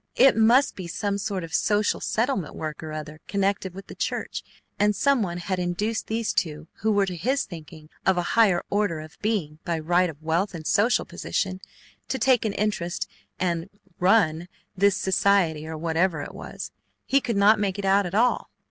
It must be some sort of social settlement work or other connected with the church and someone had induced these two who were to his thinking of a higher order of being by right of wealth and social position, to take an interest and "run" this society or whatever it was. He could not make it out at all.